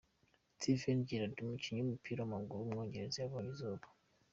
Steven Gerrard, umukinnyi w’umupira w’amaguru w’umwongereza yabonye izuba.